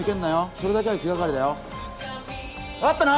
それだけは気がかりだよ分かったな？